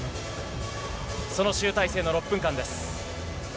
その集大成の６分間です。